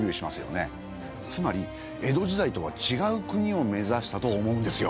つまり江戸時代とはちがう国を目指したと思うんですよ。